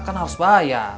kan harus bayar